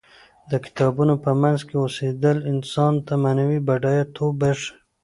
د کتابونو په منځ کې اوسیدل انسان ته معنوي بډایه توب بښي.